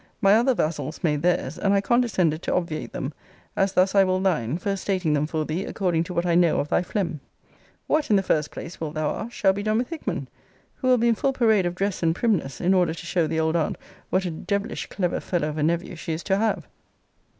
My other vassals made theirs; and I condescended to obviate them: as thus I will thine, first stating them for thee according to what I know of thy phlegm. What, in the first place, wilt thou ask, shall be done with Hickman? who will be in full parade of dress and primness, in order to show the old aunt what a devilish clever fellow of a nephew she is to have.